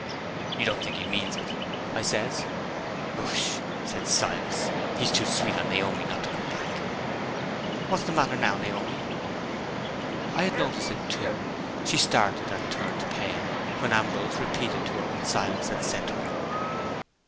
'You don't think he means it?' I says. 'Bosh!' says Silas. 'He's too sweet on Naomi not to come back.' What's the matter now, Naomi?" I had noticed it too. She started and turned pale, when Ambrose repeated to her what Silas had said to him.